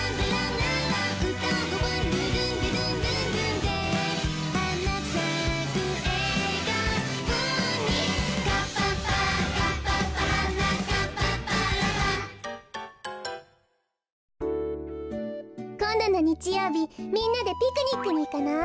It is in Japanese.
めでたしめでたしこんどのにちようびみんなでピクニックにいかない？